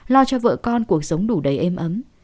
lo cho vợ con cuộc sống đủ đầy êm ấm